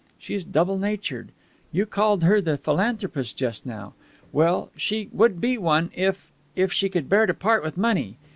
She's double natured. You called her the philanthropist just now. Well, she would be one, if if she could bear to part with money.